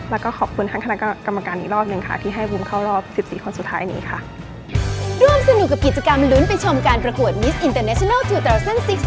และขอบคุณท่านคณะกรรมการอีกรอบหนึ่ง